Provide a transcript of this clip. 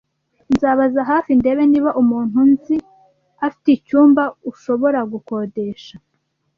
Nzabaza hafi ndebe niba umuntu nzi afite icyumba ushobora gukodesha.